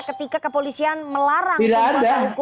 ketika kepolisian melarang kuasa hukum untuk hadir